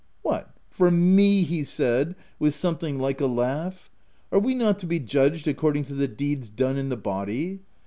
u c What, for me V he said, with something like a laugh. c Are we not to be judged accord ing to the deeds done in the body